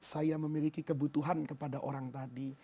saya memiliki kebutuhan kepada orang tadi